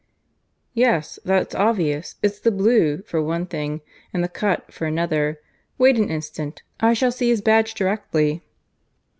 "Yes; that's obvious it's the blue, for one thing, and the cut, for another. Wait an instant. I shall see his badge directly."